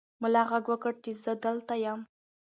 ملا غږ وکړ چې زه دلته یم.